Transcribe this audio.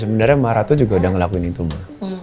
sebenarnya mama ratu juga udah ngelakuin itu ma